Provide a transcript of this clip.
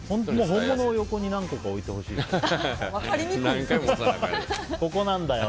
本物を横に何個か置いてほしいですよね。